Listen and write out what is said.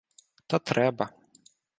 Та треба.